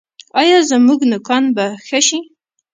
ایا زما نوکان به ښه شي؟